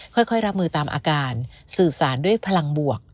ค่อยรับมือตามอาการสื่อสารด้วยพลังบวก